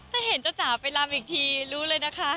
ถ้าเห็นเจ้าจ๋าไปลำอีกทีรู้เลยนะคะ